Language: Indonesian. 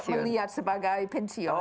saya lihat sebagai pensiun